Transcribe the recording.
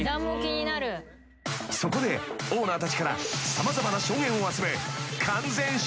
［そこでオーナーたちから様々な証言を集め］